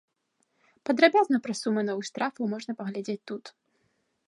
Падрабязна пра сумы новых штрафаў можна паглядзець тут.